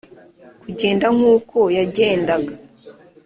kugenda nk uko yagendaga